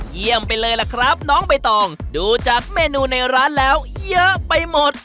เยี่ยมไปเลยล่ะครับน้องใบตองดูจากเมนูในร้านแล้วเยอะไปหมด